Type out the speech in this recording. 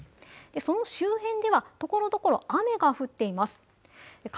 その周辺ではところどころ雨が降っています。